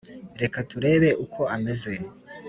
reka turebe uko ameze